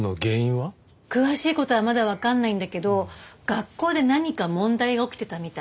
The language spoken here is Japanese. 詳しい事はまだわかんないんだけど学校で何か問題が起きてたみたい。